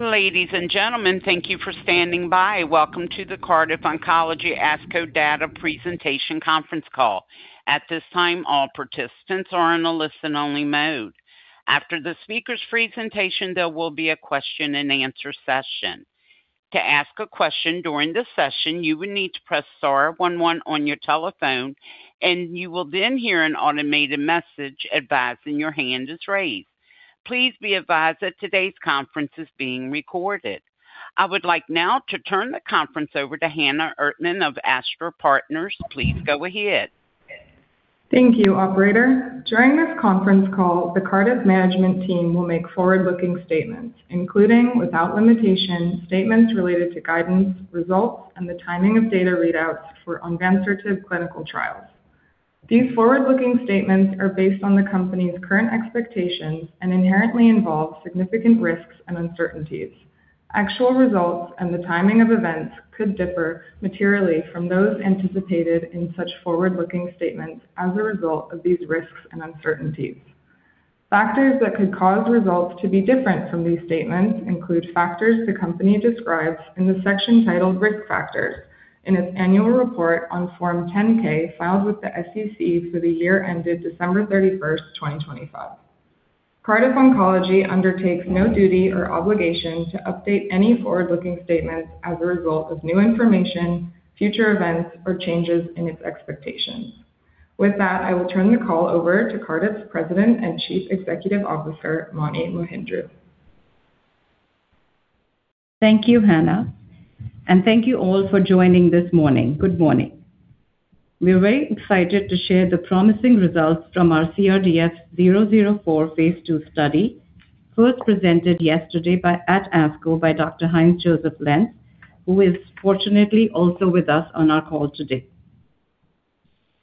Ladies and gentlemen, thank you for standing by. Welcome to the Cardiff Oncology ASCO Data Presentation conference call. At this time, all participants are in a listen-only mode. After the speaker's presentation, there will be a question-and-answer session. To ask a question during this session, you will need to press star one one on your telephone, and you will then hear an automated message advising your hand is raised. Please be advised that today's conference is being recorded. I would like now to turn the conference over to Hannah Ertman of Astra Partners. Please go ahead. Thank you, operator. During this conference call, the Cardiff management team will make forward-looking statements, including, without limitation, statements related to guidance, results, and the timing of data readouts for onvansertib clinical trials. These forward-looking statements are based on the company's current expectations and inherently involve significant risks and uncertainties. Actual results and the timing of events could differ materially from those anticipated in such forward-looking statements as a result of these risks and uncertainties. Factors that could cause results to be different from these statements include factors the company describes in the section titled "Risk Factors" in its annual report on Form 10-K, filed with the SEC for the year ended December 31st, 2025. Cardiff Oncology undertakes no duty or obligation to update any forward-looking statements as a result of new information, future events, or changes in its expectations. With that, I will turn the call over to Cardiff's President and Chief Executive Officer, Mani Mohindru. Thank you, Hannah. Thank you all for joining this morning. Good morning. We are very excited to share the promising results from our CRDF-004 phase II study, first presented yesterday at ASCO by Dr. Heinz-Josef Lenz, who is fortunately also with us on our call today.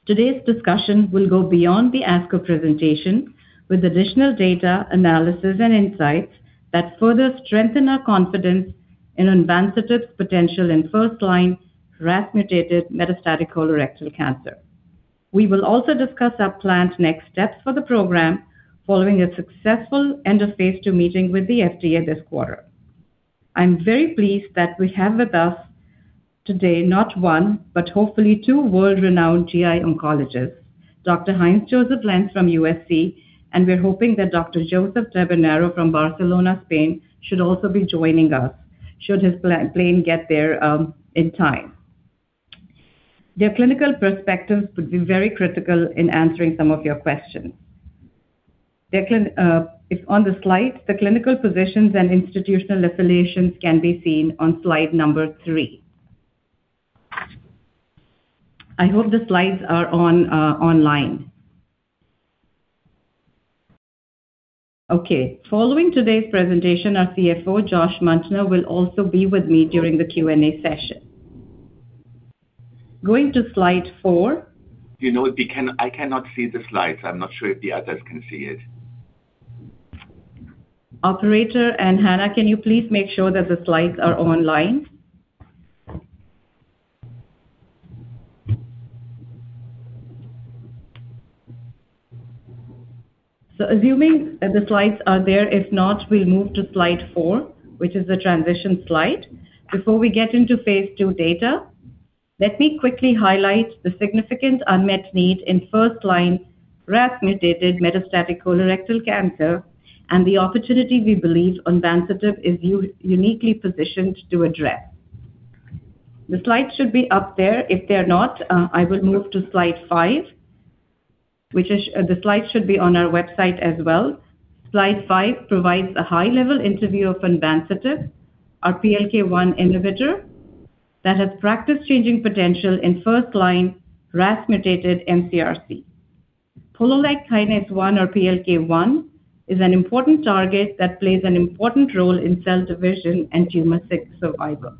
Today's discussion will go beyond the ASCO presentation with additional data analysis and insights that further strengthen our confidence in onvansertib's potential in first-line RAS mutated metastatic colorectal cancer. We will also discuss our planned next steps for the program following a successful end of phase II meeting with the FDA this quarter. I'm very pleased that we have with us today not one, but hopefully two world-renowned GI oncologists. Dr. Heinz-Josef Lenz from USC, and we're hoping that Dr. Josep Tabernero from Barcelona, Spain, should also be joining us should his plane get there in time. Their clinical perspectives would be very critical in answering some of your questions. On the slide, the clinical positions and institutional affiliations can be seen on slide number three. I hope the slides are online. Okay. Following today's presentation, our CFO, Josh Muntner, will also be with me during the Q&A session. Going to slide four. You know what? I cannot see the slides. I'm not sure if the others can see it. Operator and Hannah, can you please make sure that the slides are online? Assuming the slides are there, if not, we'll move to slide four, which is a transition slide. Before we get into phase II data, let me quickly highlight the significant unmet need in first-line RAS mutated metastatic colorectal cancer and the opportunity we believe onvansertib is uniquely positioned to address. The slide should be up there. If they're not, I will move to slide five. The slide should be on our website as well. Slide five provides a high-level overview of onvansertib, our PLK1 inhibitor, that has practice-changing potential in first-line RAS mutated MCRC. Polo-like kinase 1 or PLK1 is an important target that plays an important role in cell division and tumor cell survival.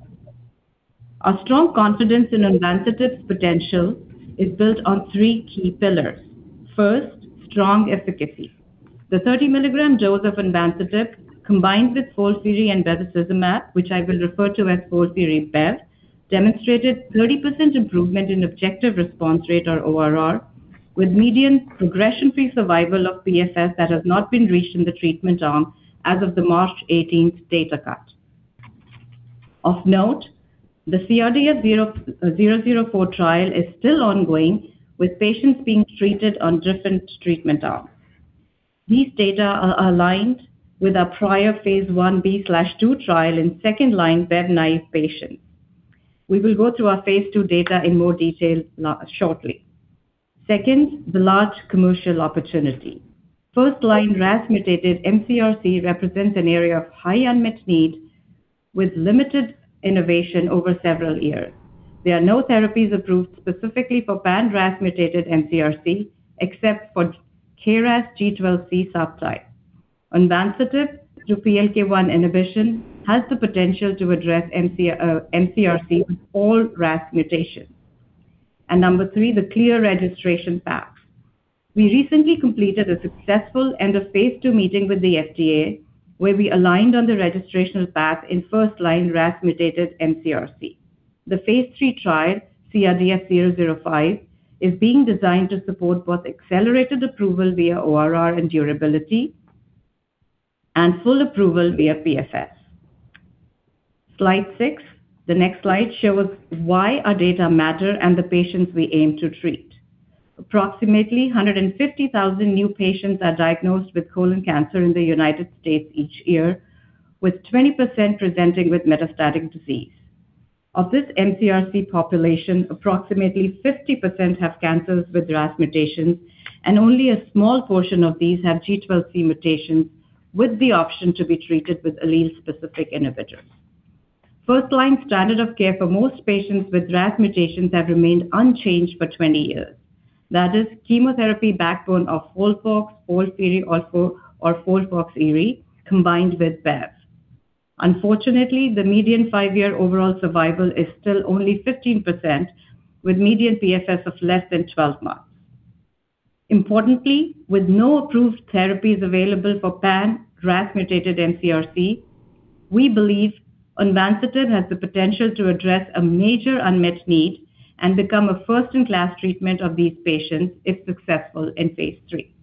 Our strong confidence in onvansertib's potential is built on three key pillars. First, strong efficacy. The 30 mg dose of onvansertib combined with SoC and bevacizumab, which I will refer to as SoC/BEV, demonstrated 30% improvement in objective response rate or ORR with median progression-free survival or PFS that has not been reached in the treatment arm as of the March 18th data cut. Of note, the CRDF-004 trial is still ongoing with patients being treated on different treatment arms. These data are aligned with our prior phase I-B/II trial in second-line BEV-naive patients. We will go through our phase II data in more detail shortly. Second, the large commercial opportunity. First-line RAS-mutated MCRC represents an area of high unmet need with limited innovation over several years. There are no therapies approved specifically for pan-RAS-mutated MCRC except for KRAS G12C subtype. onvansertib, through PLK1 inhibition, has the potential to address MCRC with all RAS mutations. Number three, the clear registration path. We recently completed a successful end of phase II meeting with the FDA, where we aligned on the registrational path in first-line RAS mutated MCRC. The Phase III trial, CRDF-005, is being designed to support both accelerated approval via ORR and durability, and full approval via PFS. Slide six. The next slide shows why our data matter and the patients we aim to treat. Approximately 150,000 new patients are diagnosed with colon cancer in the U.S. each year, with 20% presenting with metastatic disease. Of this MCRC population, approximately 50% have cancers with RAS mutations, and only a small portion of these have G12C mutations, with the option to be treated with allele-specific inhibitors. First-line standard of care for most patients with RAS mutations have remained unchanged for 20 years. That is, chemotherapy backbone of FOLFOX, FOLFOXIRI, or FOLFOXIRI combined with BEV. Unfortunately, the median five-year overall survival is still only 15%, with median PFS of less than 12 months. Importantly, with no approved therapies available for pan-RAS mutated MCRC, we believe onvansertib has the potential to address a major unmet need and become a first-in-class treatment of these patients if successful in phase III.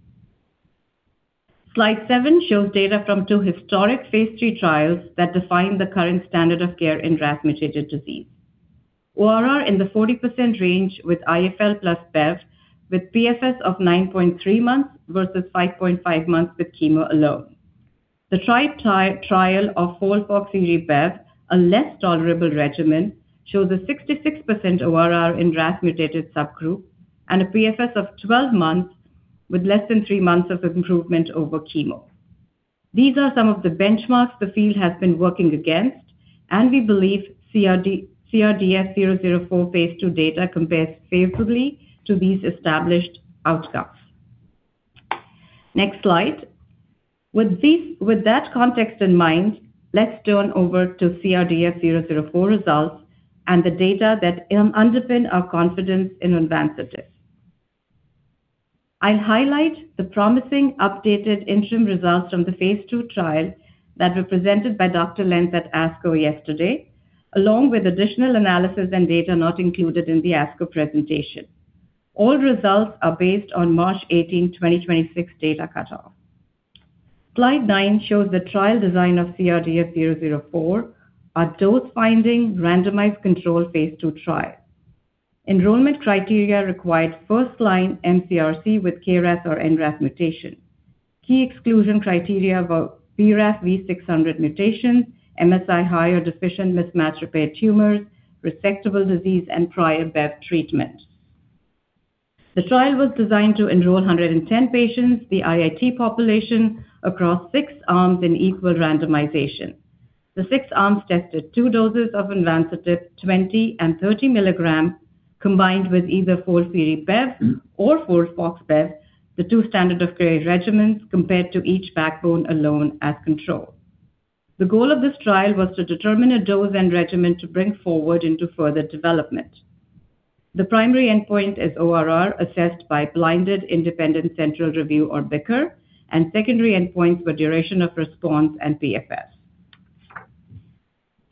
Slide seven shows data from two historic phase III trials that define the current standard of care in RAS-mutated disease. ORR in the 40% range with IFL plus BEV, with PFS of 9.3 months versus 5.5 months with chemo alone. The trial of FOLFOXIRI/BEV, a less tolerable regimen, shows a 66% ORR in RAS-mutated subgroup and a PFS of 12 months with less than three months of improvement over chemo. These are some of the benchmarks the field has been working against, and we believe CRDF004 phase II data compares favorably to these established outcomes. Next slide. With that context in mind, let's turn over to CRDF-004 results and the data that underpin our confidence in onvansertib. I'll highlight the promising updated interim results from the phase II trial that were presented by Dr. Lenz at ASCO yesterday, along with additional analysis and data not included in the ASCO presentation. All results are based on March 18th, 2026, data cutoff. Slide nine shows the trial design of CRDF-004, a dose-finding, randomized control, phase II trial. Enrollment criteria required first-line MCRC with KRAS or NRAS mutation. Key exclusion criteria were BRAF V600 mutation, MSI high or deficient mismatch repair tumors, resectable disease, and prior BEV treatment. The trial was designed to enroll 110 patients, the ITT population, across six arms in equal randomization. The six arms tested two doses of onvansertib, 20 mg and 30 mg, combined with either FOLFIRI-BEV or FOLFOX-BEV, the two standard of care regimens, compared to each backbone alone as control. The goal of this trial was to determine a dose and regimen to bring forward into further development. The primary endpoint is ORR, assessed by Blinded Independent Central Review or BICR, and secondary endpoints were duration of response and PFS.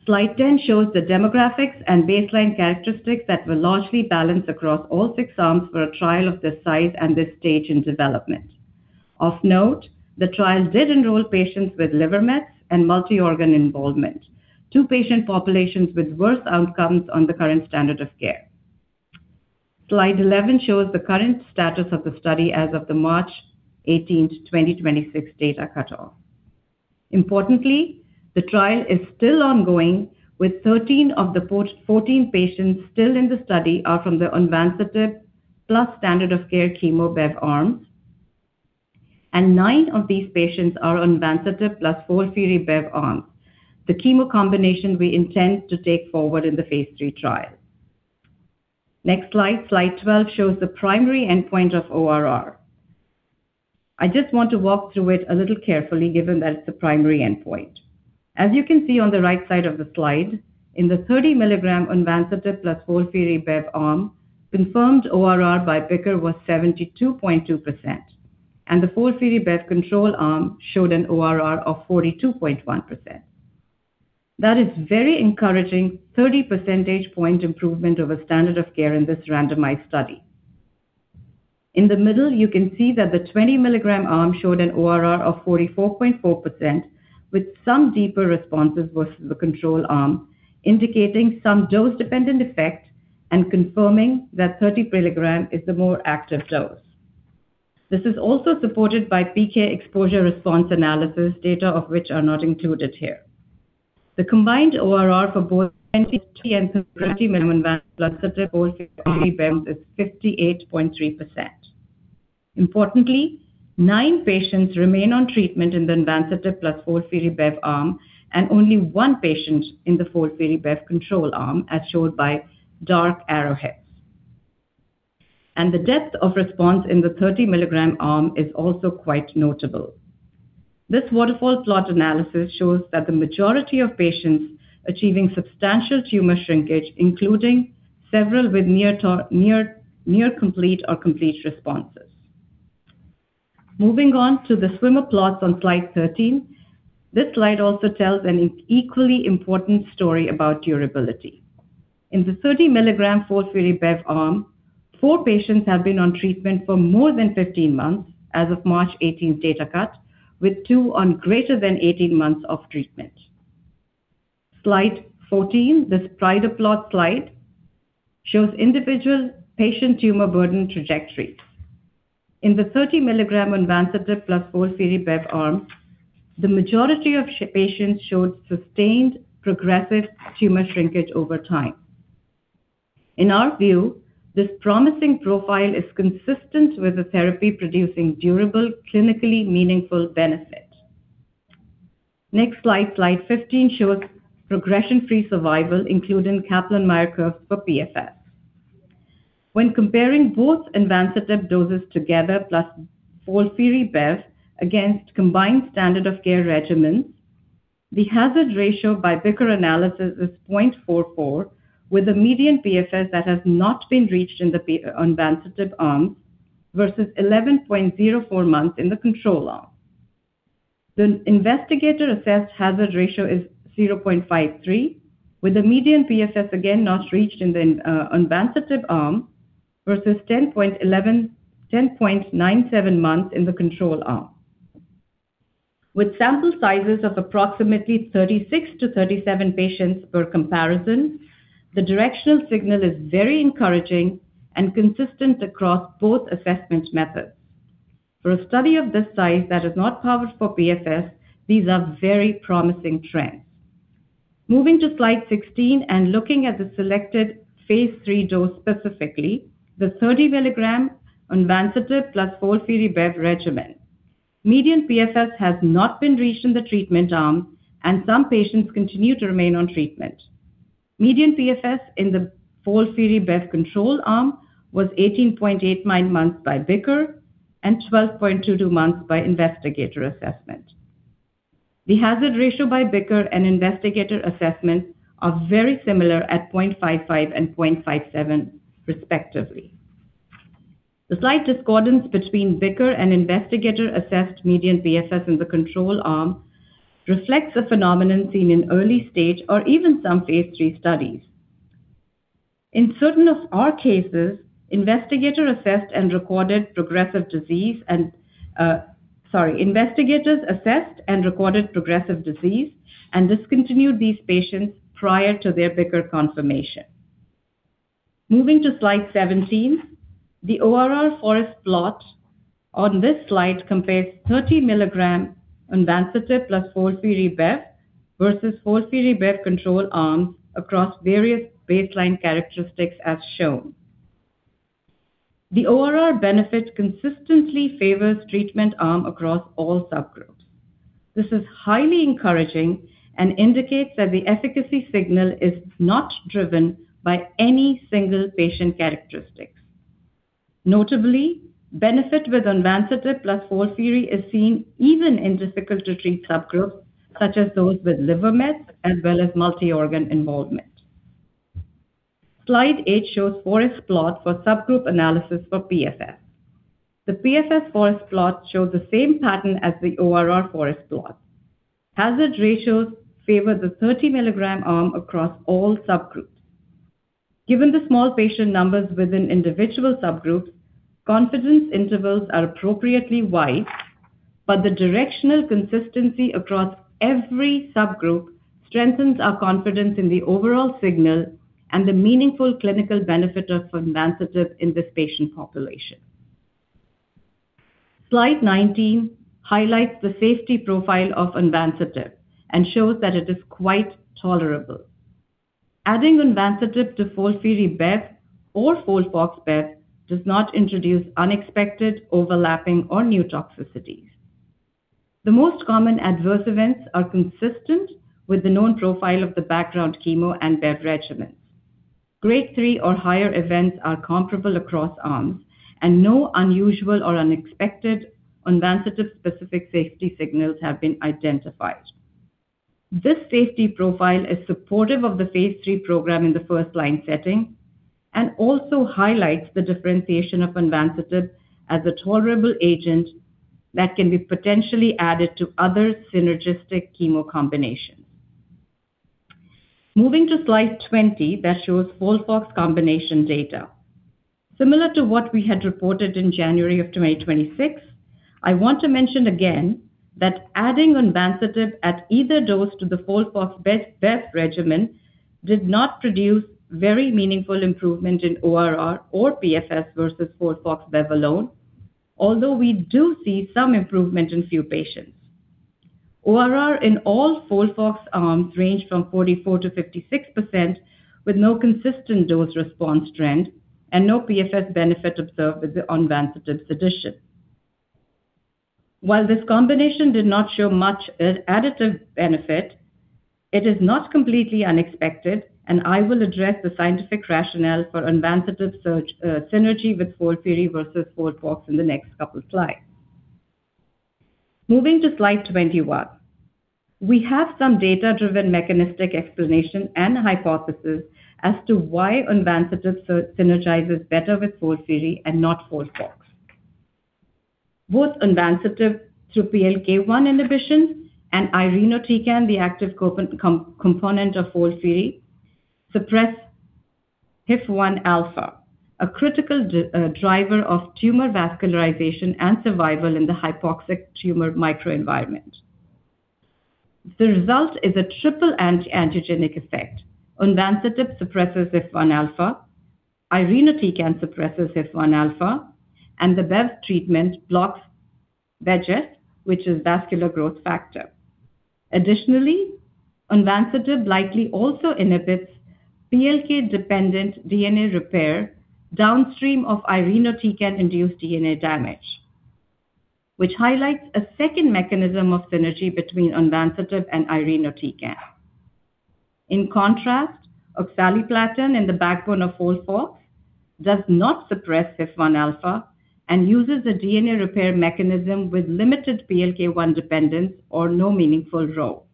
Slide 10 shows the demographics and baseline characteristics that were largely balanced across all six arms for a trial of this size and this stage in development. Of note, the trial did enroll patients with liver mets and multi-organ involvement, two patient populations with worse outcomes on the current standard of care. Slide 11 shows the current status of the study as of the March 18th, 2026, data cutoff. Importantly, the trial is still ongoing with 13 of the 14 patients still in the study are from the onvansertib plus Standard of Care chemo BEV arms. Nine of these patients are onvansertib plus FOLFIRI-BEV arms, the chemo combination we intend to take forward in the phase III trial. Next slide. Slide 12 shows the primary endpoint of ORR. I just want to walk through it a little carefully, given that it's the primary endpoint. As you can see on the right side of the slide, in the 30 mg onvansertib plus FOLFIRI-BEV arm, confirmed ORR by BICR was 72.2%, and the FOLFIRI-BEV control arm showed an ORR of 42.1%. That is very encouraging, 30 percentage point improvement over Standard of Care in this randomized study. In the middle, you can see that the 20 mg arm showed an ORR of 44.4%, with some deeper responses versus the control arm, indicating some dose-dependent effect and confirming that 30 mg is the more active dose. This is also supported by PK exposure response analysis, data of which are not included here. The combined ORR for both 20 mg and 30 mg onvansertib FOLFIRI-BEV is 58.3%. Importantly, nine patients remain on treatment in the onvansertib plus FOLFIRI-BEV arm, and only one patient in the FOLFIRI-BEV control arm, as shown by dark arrowheads. The depth of response in the 30 mg arm is also quite notable. This waterfall plot analysis shows that the majority of patients achieving substantial tumor shrinkage, including several with near-complete or complete responses. Moving on to the swimmer plots on slide 13. This slide also tells an equally important story about durability. In the 30 mg FOLFIRI-BEV arm, four patients have been on treatment for more than 15 months as of March 18 data cut, with two on greater than 18 months of treatment. Slide 14, the spider plot slide, shows individual patient tumor burden trajectories. In the 30 mg onvansertib plus FOLFIRI-BEV arm, the majority of patients showed sustained progressive tumor shrinkage over time. In our view, this promising profile is consistent with a therapy producing durable, clinically meaningful benefit. Next slide, Slide 15, shows progression-free survival, including Kaplan-Meier curve for PFS. When comparing both onvansertib doses together, plus FOLFIRI-BEV against combined Standard of Care regimens, the hazard ratio by BICR analysis is 0.44, with a median PFS that has not been reached in the onvansertib arm versus 11.04 months in the control arm. The investigator-assessed hazard ratio is 0.53 with a median PFS again, not reached in the onvansertib arm versus 10.97 months in the control arm. With sample sizes of approximately 36-37 patients per comparison, the directional signal is very encouraging and consistent across both assessment methods. For a study of this size that is not powered for PFS, these are very promising trends. Moving to slide 16 and looking at the selected phase III dose, specifically the 30 mg onvansertib plus FOLFIRI-BEV regimen. Median PFS has not been reached in the treatment arm and some patients continue to remain on treatment. Median PFS in the FOLFIRI-BEV control arm was 18.89 months by BICR and 12.22 months by investigator assessment. The hazard ratio by BICR and investigator assessment are very similar at 0.55 and 0.57 respectively. The slight discordance between BICR and investigator-assessed median PFS in the control arm reflects a phenomenon seen in early stage or even some phase III studies. In certain of our cases, investigators assessed and recorded progressive disease and discontinued these patients prior to their BICR confirmation. Moving to slide 17. The ORR forest plot on this slide compares 30 mg onvansertib plus FOLFIRI-BEV versus FOLFIRI-BEV control arms across various baseline characteristics as shown. The ORR benefit consistently favors treatment arm across all subgroups. This is highly encouraging and indicates that the efficacy signal is not driven by any single patient characteristics. Notably, benefit with onvansertib plus FOLFIRI is seen even in difficult to treat subgroups such as those with liver mets as well as multi-organ involvement. Slide eight shows forest plot for subgroup analysis for PFS. The PFS forest plot shows the same pattern as the ORR forest plot. Hazard ratios favor the 30 mg arm across all subgroups. Given the small patient numbers within individual subgroups, confidence intervals are appropriately wide, but the directional consistency across every subgroup strengthens our confidence in the overall signal and the meaningful clinical benefit of onvansertib in this patient population. Slide 19 highlights the safety profile of onvansertib and shows that it is quite tolerable. Adding onvansertib to FOLFIRI-BEV or FOLFOX-BEV does not introduce unexpected overlapping or new toxicities. The most common adverse events are consistent with the known profile of the background chemo and BEV regimens. Grade 3 or higher events are comparable across arms and no unusual or unexpected onvansertib-specific safety signals have been identified. This safety profile is supportive of the phase III program in the first line setting and also highlights the differentiation of onvansertib as a tolerable agent that can be potentially added to other synergistic chemo combinations. Moving to slide 20, that shows FOLFOX combination data. Similar to what we had reported in January of 2026, I want to mention again that adding onvansertib at either dose to the FOLFOX-BEV regimen did not produce very meaningful improvement in ORR or PFS versus FOLFOX-BEV alone. Although we do see some improvement in few patients. ORR in all FOLFOX arms ranged from 44%-56% with no consistent dose response trend and no PFS benefit observed with the onvansertib addition. While this combination did not show much additive benefit, it is not completely unexpected, and I will address the scientific rationale for onvansertib synergy with FOLFIRI versus FOLFOX in the next couple slides. Moving to slide 21. We have some data-driven mechanistic explanation and hypothesis as to why onvansertib synergizes better with FOLFIRI and not FOLFOX. Both onvansertib through PLK1 inhibition and irinotecan, the active component of FOLFIRI, suppress HIF-1α, a critical driver of tumor vascularization and survival in the hypoxic tumor microenvironment. The result is a triple anti-angiogenic effect. Onvansertib suppresses HIF-1α, irinotecan suppresses HIF-1α, and the BEV treatment blocks VEGF, which is vascular growth factor. Additionally, onvansertib likely also inhibits PLK-dependent DNA repair downstream of irinotecan-induced DNA damage, which highlights a second mechanism of synergy between onvansertib and irinotecan. In contrast, oxaliplatin in the backbone of FOLFOX does not suppress HIF-1α and uses a DNA repair mechanism with limited PLK1 dependence or no meaningful role.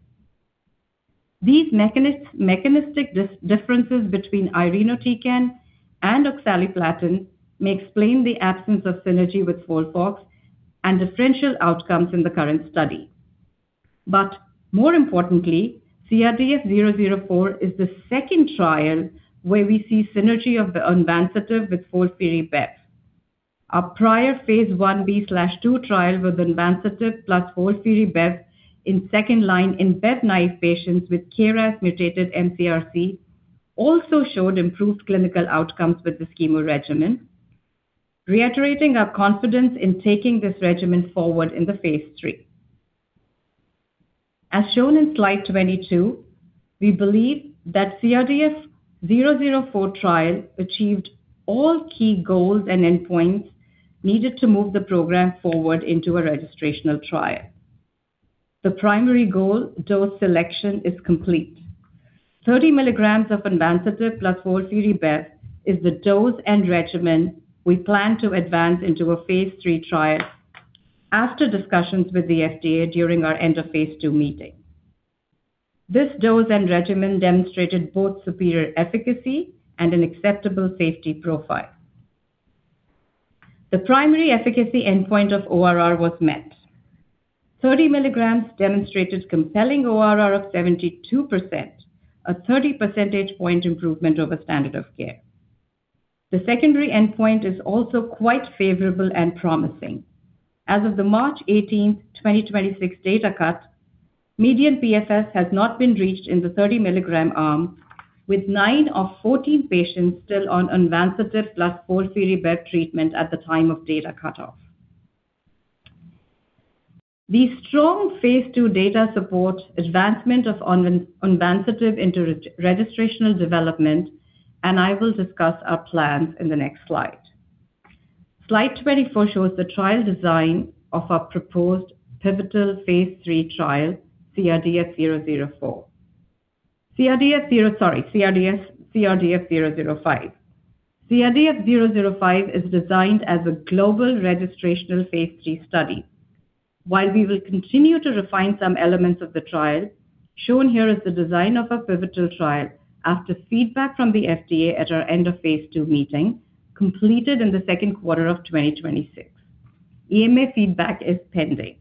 These mechanistic differences between irinotecan and oxaliplatin may explain the absence of synergy with FOLFOX and differential outcomes in the current study. More importantly, CRDF-004 is the second trial where we see synergy of the onvansertib with FOLFIRI-BEV. Our prior phase I-B/II trial with onvansertib plus FOLFIRI-BEV in second-line in BEV-naive patients with KRAS-mutated mCRC also showed improved clinical outcomes with this chemo regimen, reiterating our confidence in taking this regimen forward in the phase III. As shown in slide 22, we believe that CRDF-004 trial achieved all key goals and endpoints needed to move the program forward into a registrational trial. The primary goal, dose selection, is complete. 30 mg of onvansertib plus FOLFIRI-BEV is the dose and regimen we plan to advance into a phase III trial after discussions with the FDA during our end of phase II meeting. This dose and regimen demonstrated both superior efficacy and an acceptable safety profile. The primary efficacy endpoint of ORR was met. 30 mg demonstrated compelling ORR of 72%, a 30 percentage point improvement over standard of care. The secondary endpoint is also quite favorable and promising. As of the March 18th, 2026, data cut, median PFS has not been reached in the 30 mg arm, with nine of 14 patients still on onvansertib plus FOLFIRI-BEV treatment at the time of data cutoff. These strong phase II data support advancement of onvansertib into registrational development, and I will discuss our plans in the next slide. Slide 24 shows the trial design of our proposed pivotal phase III trial, CRDF-004. Sorry, CRDF-005. CRDF-005 is designed as a global registrational Phase III study. While we will continue to refine some elements of the trial, shown here is the design of our pivotal trial after feedback from the FDA at our end of Phase II meeting, completed in the second quarter of 2026. EMA feedback is pending.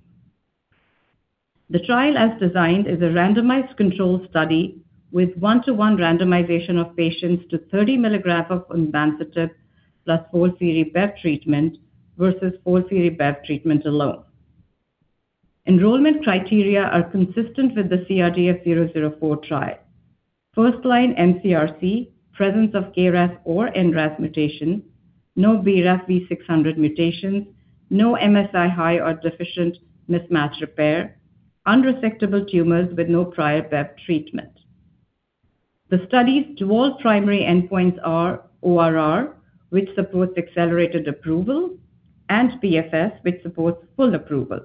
The trial, as designed, is a randomized control study with one-to-one randomization of patients to 30 mg of onvansertib plus FOLFIRI-BEV treatment versus FOLFIRI-BEV treatment alone. Enrollment criteria are consistent with the CRDF-004 trial. First-line mCRC, presence of KRAS or NRAS mutation, no BRAF V600 mutations, no MSI High or deficient mismatch repair, unresectable tumors with no prior BEV treatment. The study's dual primary endpoints are ORR, which supports accelerated approval, and PFS, which supports full approval.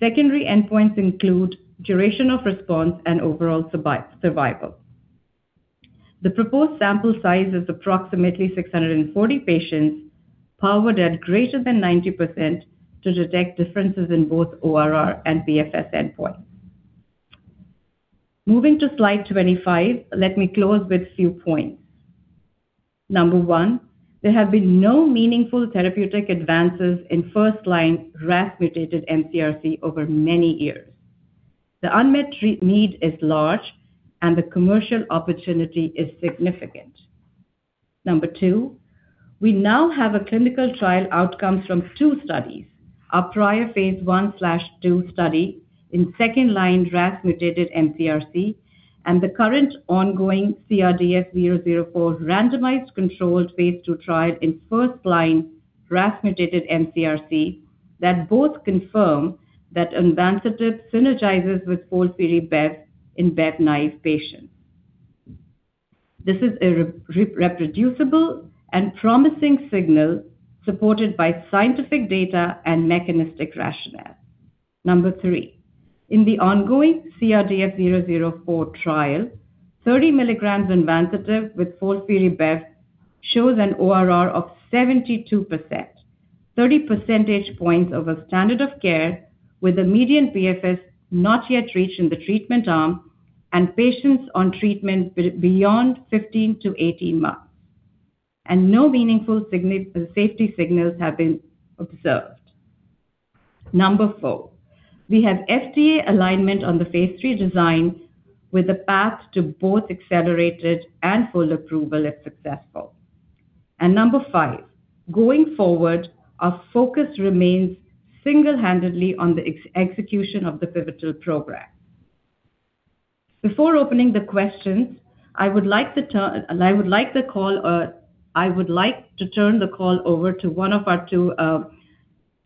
Secondary endpoints include duration of response and overall survival. The proposed sample size is approximately 640 patients, powered at greater than 90% to detect differences in both ORR and PFS endpoint. Moving to slide 25, let me close with few points. Number one, there have been no meaningful therapeutic advances in first-line RAS-mutated mCRC over many years. The unmet need is large, and the commercial opportunity is significant. Number two, we now have a clinical trial outcome from two studies, our prior phase I/II study in second-line RAS-mutated mCRC and the current ongoing CRDF-004 randomized controlled phase II trial in first-line RAS-mutated mCRC that both confirm that onvansertib synergizes with FOLFIRI-BEV in BEV-naive patients. This is a reproducible and promising signal supported by scientific data and mechanistic rationale. Number three, in the ongoing CRDF-004 trial, 30 mg onvansertib with FOLFIRI-BEV shows an ORR of 72%, 30 percentage points over standard of care, with a median PFS not yet reached in the treatment arm and patients on treatment beyond 15-18 months, and no meaningful safety signals have been observed. Number four, we have FDA alignment on the phase III design with a path to both accelerated and full approval if successful. Number five, going forward, our focus remains single-handedly on the execution of the pivotal program. Before opening the questions, I would like to turn the call over to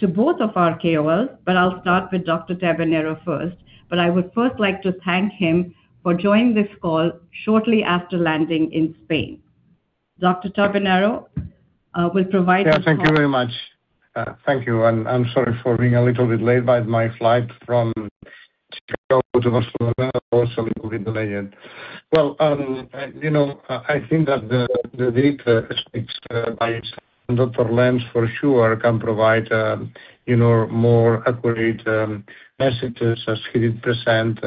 both of our KOLs, but I'll start with Dr. Tabernero first. I would first like to thank him for joining this call shortly after landing in Spain. Dr. Tabernero will provide his- Yeah, thank you very much. Thank you. I'm sorry for being a little bit late, but my flight from Chicago to Barcelona was a little bit delayed. I think that the data speaks by itself, and Dr. Lenz, for sure, can provide more accurate messages as he did present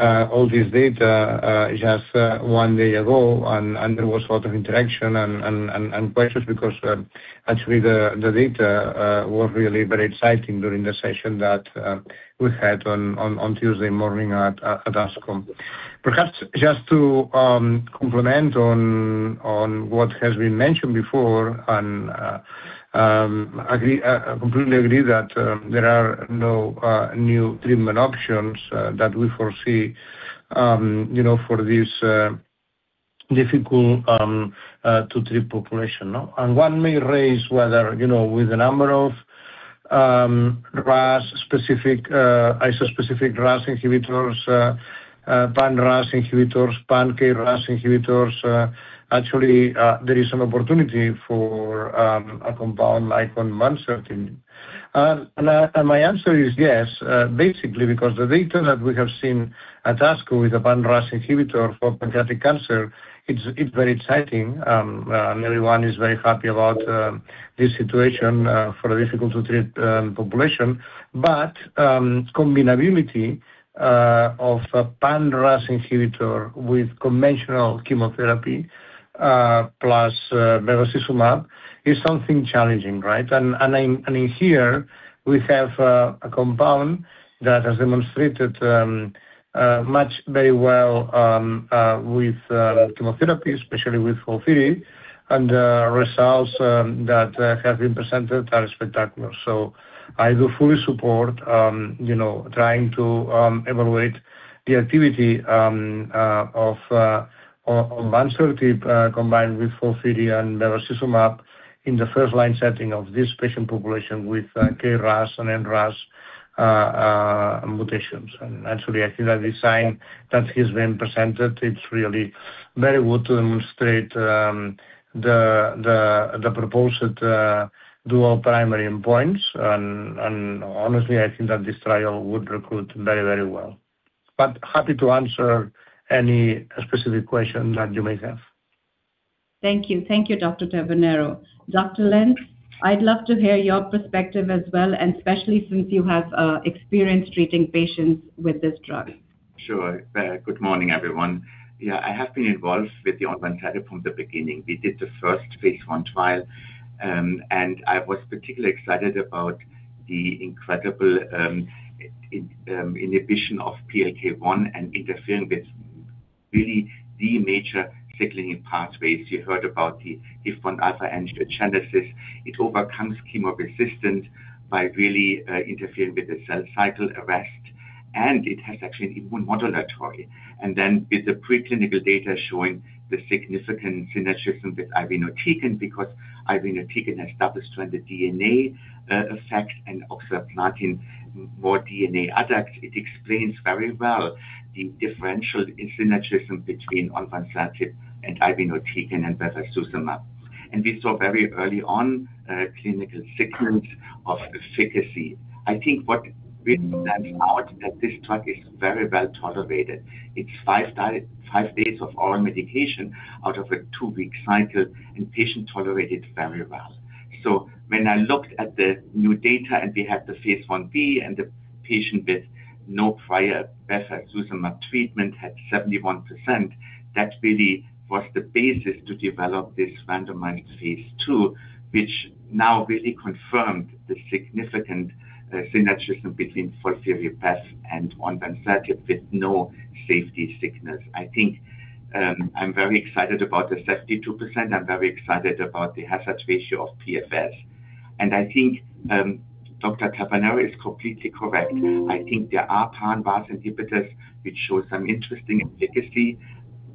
all this data just one day ago, and there was a lot of interaction and questions because actually the data was really very exciting during the session that we had on Tuesday morning at ASCO. Perhaps just to complement on what has been mentioned before, and I completely agree that there are no new treatment options that we foresee for this difficult to treat population. One may raise whether, with the number of iso-specific RAS inhibitors, pan-RAS inhibitors, pan-KRAS inhibitors, actually, there is some opportunity for a compound like onvansertib. My answer is yes, basically because the data that we have seen at ASCO with a pan-RAS inhibitor for pancreatic cancer, it's very exciting. Everyone is very happy about this situation for a difficult to treat population. Combinability of a pan-RAS inhibitor with conventional chemotherapy, plus bevacizumab, is something challenging, right? In here, we have a compound that has demonstrated match very well with chemotherapy, especially with FOLFIRI, and the results that have been presented are spectacular. I do fully support trying to evaluate the activity of onvansertib combined with FOLFIRI and bevacizumab in the first line setting of this patient population with KRAS and NRAS mutations. Actually, I think that the sign that has been presented, it's really very good to illustrate the proposed dual primary endpoints, and honestly, I think that this trial would recruit very well. Happy to answer any specific question that you may have. Thank you, Dr. Tabernero. Dr. Lenz, I'd love to hear your perspective as well, and especially since you have experience treating patients with this drug. Sure. Good morning, everyone. Yeah, I have been involved with the onvansertib from the beginning. We did the first phase I trial, and I was particularly excited about the incredible inhibition of PLK1 and interfering with really the major cycling pathways. You heard about the HIF-1 alpha angiogenesis. It overcomes chemo resistance by really interfering with the cell cycle arrest, and it has actually immunomodulatory. Then with the preclinical data showing the significant synergism with irinotecan, because irinotecan established on the DNA effect and oxaliplatin, more DNA adduct. It explains very well the differential in synergism between onvansertib and irinotecan and bevacizumab. We saw very early on a clinical signal of efficacy. I think what really stands out that this drug is very well-tolerated. It's five days of oral medication out of a two-week cycle, and patients tolerate it very well. When I looked at the new data and we had the phase I-B and the patient with no prior bevacizumab treatment had 71%, that really was the basis to develop this randomized phase II, which now really confirmed the significant synergism between FOLFIRI-BEV and onvansertib with no safety signals. I think I'm very excited about the 72%. I'm very excited about the hazard ratio of PFS. I think Dr. Tabernero is completely correct. I think there are pan-RAS inhibitors which show some interesting efficacy,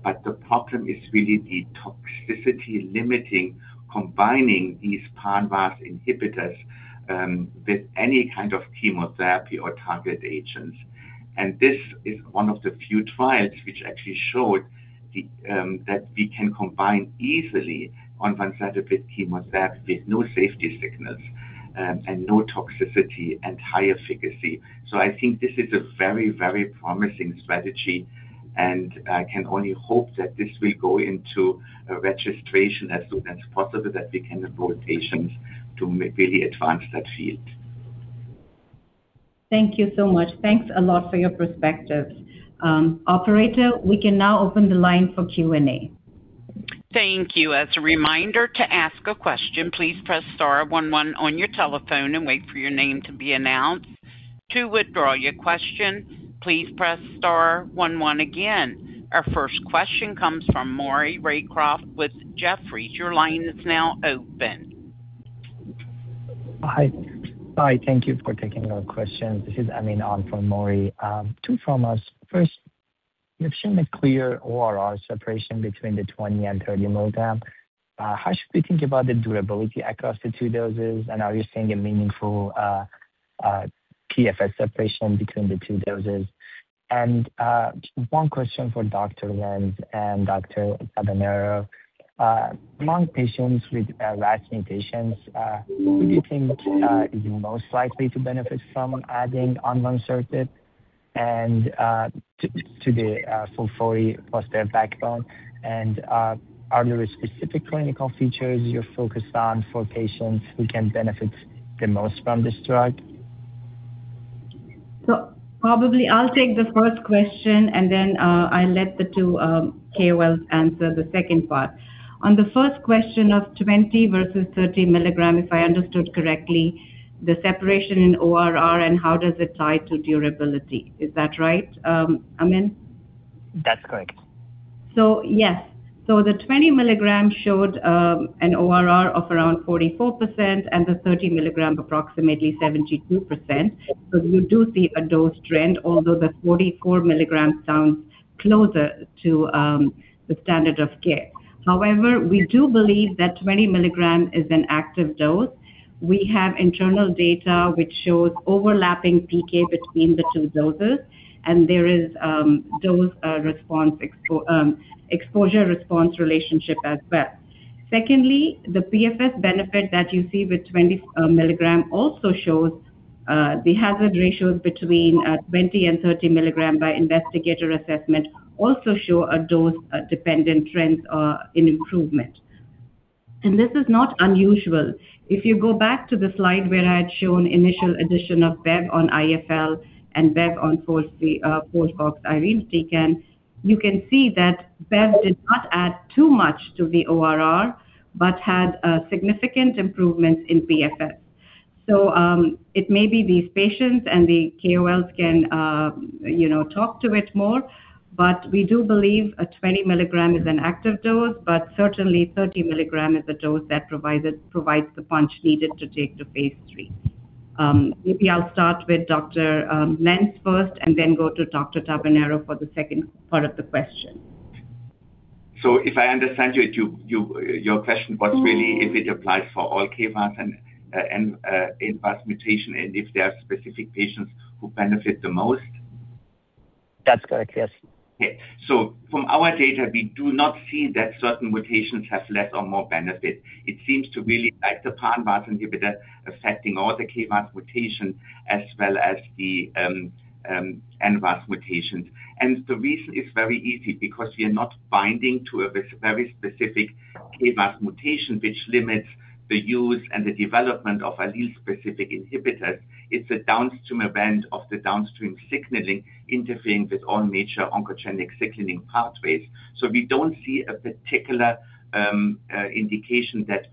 but the problem is really the toxicity limiting combining these pan-RAS inhibitors with any kind of chemotherapy or target agents. This is one of the few trials which actually showed that we can combine easily onvansertib with chemotherapy with no safety signals and no toxicity and high efficacy. I think this is a very promising strategy, and I can only hope that this will go into a registration as soon as possible that we can enroll patients to really advance that field. Thank you so much. Thanks a lot for your perspectives. Operator, we can now open the line for Q&A. Thank you. As a reminder to ask a question, please press star one one on your telephone and wait for your name to be announced. To withdraw your question, please press star one one again. Our first question comes from Maury Raycroft with Jefferies. Your line is now open. Hi. Thank you for taking our questions. This is Amin on for Maury. Two from us. First, you've shown a clear ORR separation between the 20 mg and 30 mg. How should we think about the durability across the two doses, and are you seeing a meaningful PFS separation between the two doses? One question for Dr. Lenz and Dr. Tabernero. Among patients with RAS mutations, who do you think is most likely to benefit from adding onvansertib to the FOLFIRI-BEV backbone? Are there specific clinical features you're focused on for patients who can benefit the most from this drug? Probably I'll take the first question and then I'll let the two KOLs answer the second part. On the first question of 20 mg versus 30 mg, if I understood correctly, the separation in ORR and how does it tie to durability, is that right, Amin? That's correct. Yes. The 20 mg showed an ORR of around 44% and the 30 mg approximately 72%. You do see a dose trend although the 40 mg sounds closer to the standard of care. However, we do believe that 20 mg is an active dose. We have internal data which shows overlapping PK between the two doses, and there is dose exposure-response relationship as well. Secondly, the PFS benefit that you see with 20 mg also shows the hazard ratios between 20 mg and 30 mg by investigator assessment also show a dose-dependent trend in improvement. This is not unusual. If you go back to the slide where I had shown initial addition of BEV on IFL and BEV on FOLFOXIRI, you can see that BEV did not add too much to the ORR but had a significant improvement in PFS. It may be these patients and the KOLs can talk to it more, but we do believe a 20 mg is an active dose, but certainly 30 mg is a dose that provides the punch needed to take to phase III. Maybe I'll start with Dr. Lenz first and then go to Dr. Tabernero for the second part of the question. If I understand your question was really if it applies for all KRAS and NRAS mutation and if there are specific patients who benefit the most? That's correct, yes. Okay. From our data, we do not see that certain mutations have less or more benefit. It seems to really like the pan-RAS inhibitor affecting all the KRAS mutation as well as the NRAS mutations. The reason is very easy because we are not binding to a very specific KRAS mutation which limits the use and the development of allele-specific inhibitors. It's a downstream event of the downstream signaling interfering with all major oncogenic signaling pathways. We don't see a particular indication that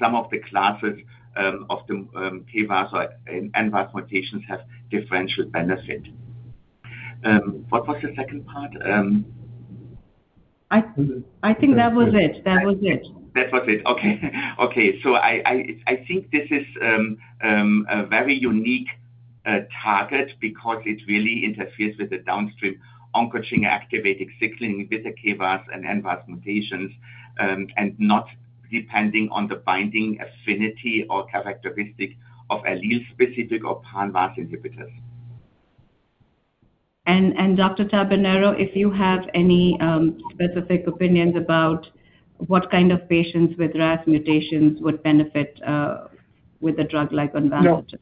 some of the classes of the KRAS or NRAS mutations have differential benefit. What was the second part? I think that was it. That was it. Okay. I think this is a very unique target because it really interferes with the downstream oncogene activated signaling with the KRAS and NRAS mutations, and not depending on the binding affinity or characteristic of allele-specific or pan-RAS inhibitors. Dr. Tabernero, if you have any specific opinions about what kind of patients with RAS mutations would benefit with a drug like onvansertib?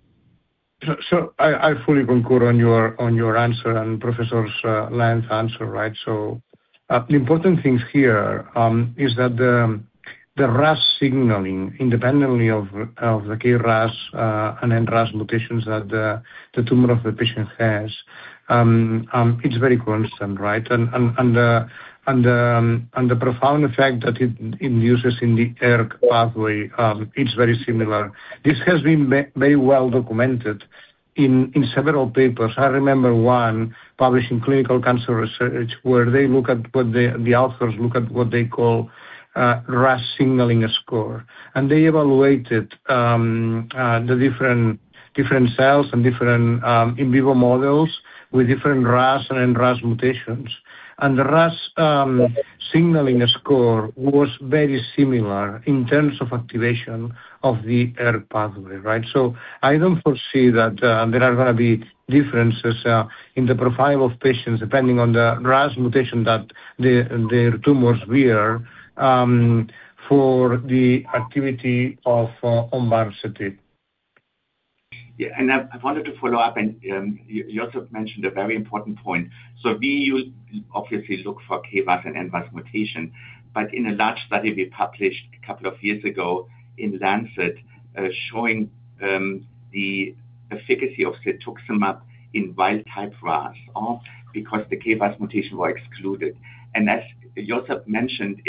I fully concur on your answer and Professor Lenz answer. The important things here is that the RAS signaling, independently of the KRAS and NRAS mutations that the tumor of the patient has, it's very constant. The profound effect that it uses in the ERK pathway, it's very similar. This has been very well documented in several papers. I remember one published in Clinical Cancer Research where the authors look at what they call RAS signaling score. They evaluated the different cells and different in vivo models with different RAS and NRAS mutations. The RAS signaling score was very similar in terms of activation of the ERK pathway. I don't foresee that there are going to be differences in the profile of patients depending on the RAS mutation that their tumors bear, for the activity of onvansertib. Yeah. I wanted to follow up, and you also mentioned a very important point. We will obviously look for KRAS and NRAS mutation, in a large study we published a couple of years ago in The Lancet showing the efficacy of cetuximab in wild-type RAS because the KRAS mutation was excluded. As Josep mentioned,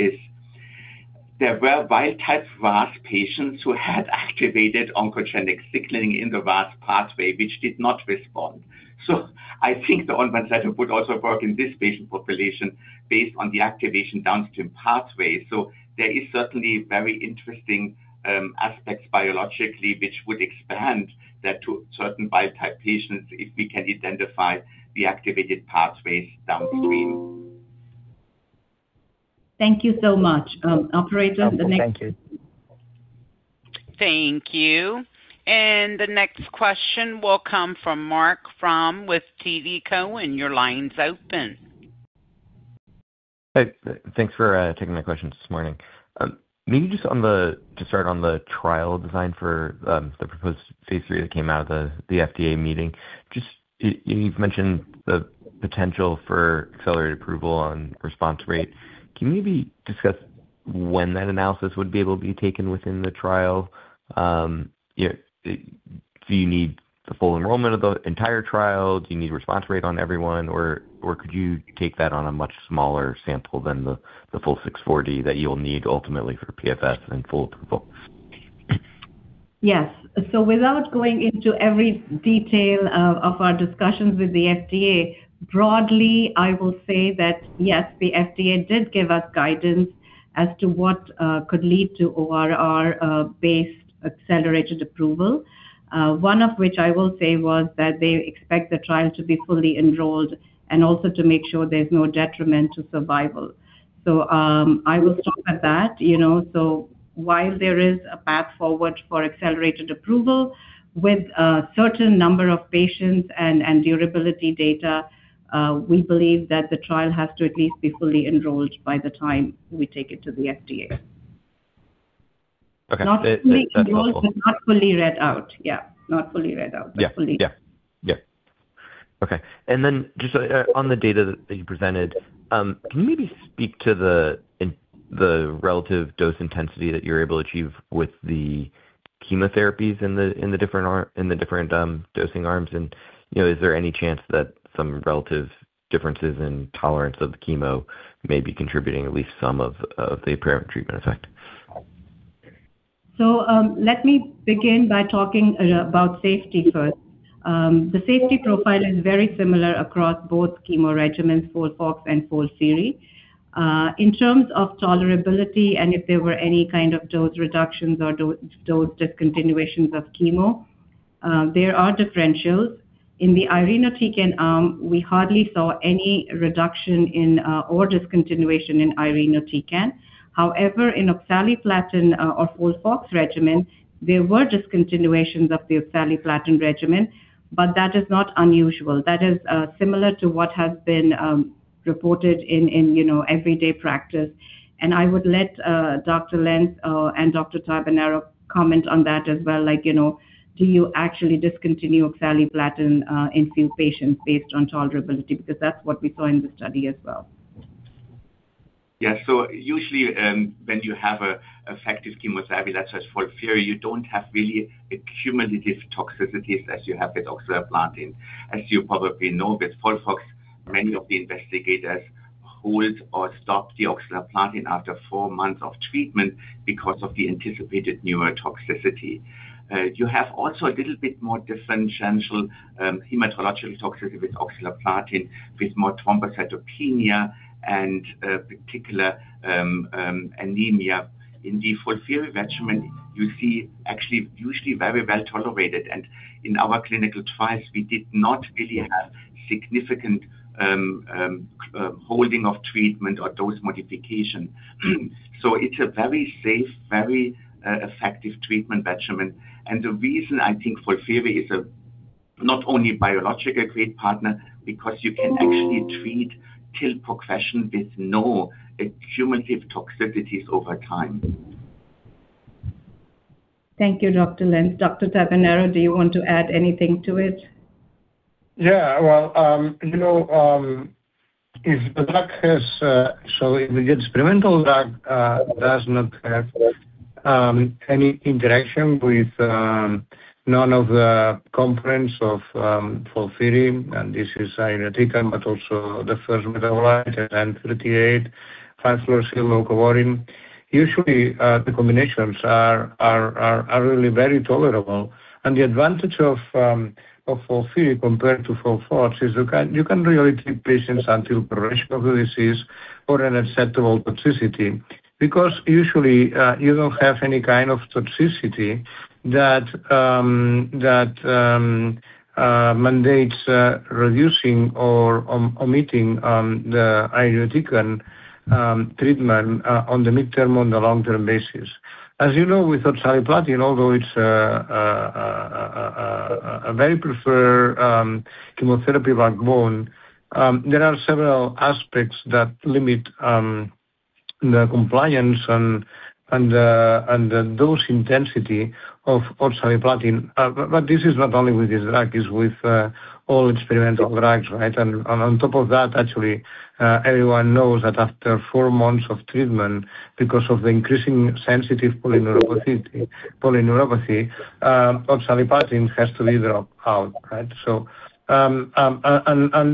there were wild-type RAS patients who had activated oncogenic signaling in the RAS pathway, which did not respond. I think the onvansertib would also work in this patient population based on the activation downstream pathway. There is certainly very interesting aspects biologically which would expand that to certain wild-type patients if we can identify the activated pathways downstream. Thank you so much. Thank you. Thank you. The next question will come from Marc Frahm with TD Cowen, and your line's open. Hey. Thanks for taking my questions this morning. Maybe just to start on the trial design for the proposed phase III that came out of the FDA meeting. You've mentioned the potential for accelerated approval on response rate. Can you maybe discuss when that analysis would be able to be taken within the trial? Do you need the full enrollment of the entire trial? Do you need response rate on everyone, or could you take that on a much smaller sample than the full 640 that you'll need ultimately for PFS and full approval? Yes. Without going into every detail of our discussions with the FDA, broadly, I will say that yes, the FDA did give us guidance as to what could lead to ORR-based accelerated approval. One of which I will say was that they expect the trial to be fully enrolled and also to make sure there's no detriment to survival. I will stop at that. While there is a path forward for accelerated approval with a certain number of patients and durability data, we believe that the trial has to at least be fully enrolled by the time we take it to the FDA. Okay. That's helpful. Not fully read out. Yeah. Not fully read out. Yeah. Okay. Just on the data that you presented, can you maybe speak to the relative dose intensity that you're able to achieve with the chemotherapies in the different dosing arms and is there any chance that some relative differences in tolerance of the chemo may be contributing at least some of the apparent treatment effect? Let me begin by talking about safety first. The safety profile is very similar across both chemo regimens, FOLFOX and FOLFIRI. In terms of tolerability and if there were any kind of dose reductions or dose discontinuations of chemo, there are differentials. In the irinotecan arm, we hardly saw any reduction or discontinuation in irinotecan. However, in oxaliplatin or FOLFOX regimen, there were discontinuations of the oxaliplatin regimen, but that is not unusual. That is similar to what has been reported in everyday practice. I would let Dr. Lenz and Dr. Tabernero comment on that as well, like, do you actually discontinue oxaliplatin in few patients based on tolerability? That's what we saw in the study as well. Yeah. Usually, when you have an effective chemo strategy such as FOLFIRI, you don't have really a cumulative toxicities as you have with oxaliplatin. As you probably know, with FOLFOX, many of the investigators hold or stop the oxaliplatin after four months of treatment because of the anticipated neurotoxicity. You have also a little bit more differential hematological toxicity with oxaliplatin, with more thrombocytopenia and particular anemia. In the FOLFIRI regimen, you see actually usually very well-tolerated. In our clinical trials, we did not really have significant holding of treatment or dose modification. It's a very safe, very effective treatment regimen. The reason I think FOLFIRI is a not only biologically great partner because you can actually treat till progression with no cumulative toxicities over time. Thank you, Dr. Lenz. Dr. Tabernero, do you want to add anything to it? Yeah. Well, if the experimental drug does not have any interaction with none of the components of FOLFIRI, and this is irinotecan, but also the first metabolite, SN-38, fluorouracil or capecitabine. Usually, the combinations are really very tolerable. The advantage of FOLFIRI compared to FOLFOX is you can really treat patients until progression of the disease or an acceptable toxicity. Because usually, you don't have any kind of toxicity that mandates reducing or omitting the irinotecan treatment on the midterm, on the long-term basis. As you know, with oxaliplatin, although it's a very preferred chemotherapy backbone, there are several aspects that limit the compliance and the dose intensity of oxaliplatin. This is not only with this drug, it's with all experimental drugs. On top of that, actually, everyone knows that after four months of treatment, because of the increasing sensitive polyneuropathy, oxaliplatin has to be dropped out.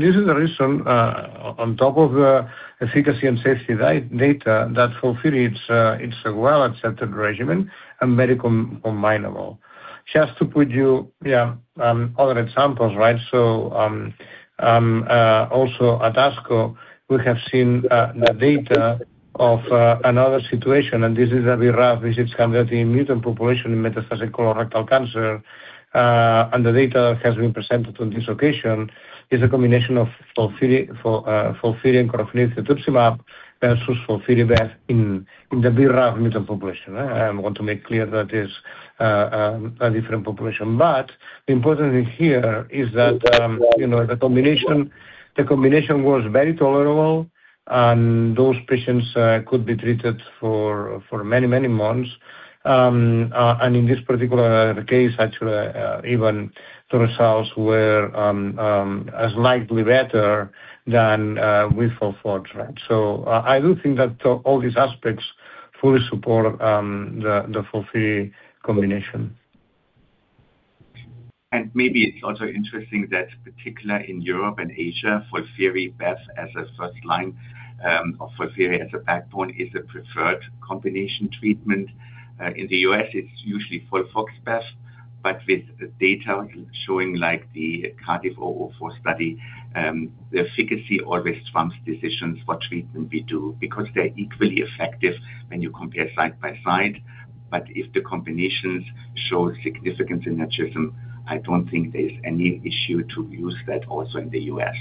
This is the reason, on top of the efficacy and safety data, that FOLFIRI, it's a well-accepted regimen and very combinable. Just to put you other examples. Also at ASCO, we have seen the data of another situation, and this is a BRAF, which is converting mutant population in metastatic colorectal cancer. The data has been presented on this occasion is a combination of FOLFIRI and encorafenib versus FOLFIRI-BEV in the BRAF mutant population. I want to make clear that is a different population. The important thing here is that the combination was very tolerable, and those patients could be treated for many, many months. In this particular case, actually, even the results were as slightly better than with FOLFOX. I do think that all these aspects fully support the FOLFIRI combination. Maybe it's also interesting that particular in Europe and Asia, FOLFIRI-BEV as a first-line, or FOLFIRI as a backbone, is a preferred combination treatment. In the U.S., it's usually FOLFOX-BEV, with data showing like the Cardiff 004 study, the efficacy always trumps decisions what treatment we do because they're equally effective when you compare side by side. If the combinations show significance in that system, I don't think there's any issue to use that also in the U.S.